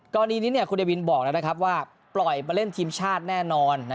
กลอนนี้คุณเดวินบอกแล้วนะครับว่าปล่อยมาเล่นทีมชาติแน่นอน